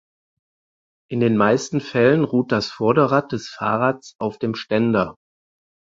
In den meisten Fällen ruht das Vorderrad des Fahrrads auf dem Ständer.